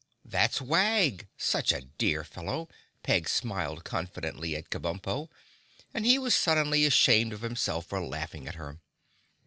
"That's Wag—such a dear fellow." Peg smiled confidently at Kabumpo and he was suddenly ashamed of himself for laughing at her.